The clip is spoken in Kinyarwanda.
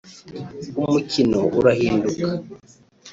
umukino urahinduka